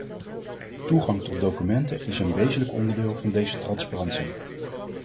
Toegang tot documenten is een wezenlijk onderdeel van deze transparantie.